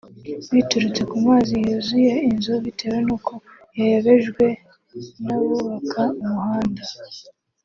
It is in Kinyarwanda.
biturutse ku mazi yuzuye inzu bitewe n’uko yayobejwe n’abubaka umuhanda